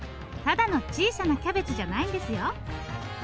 ただの小さなキャベツじゃないんですよ。